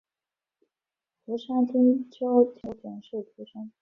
福山町秋田县秋田市出生。